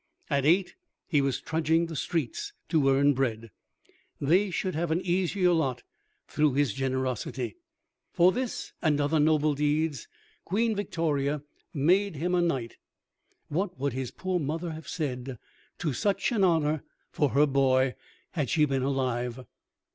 At eight, he was trudging the streets to earn bread; they should have an easier lot through his generosity. For this and other noble deeds Queen Victoria made him a knight. What would his poor mother have said to such an honor for her boy, had she been alive!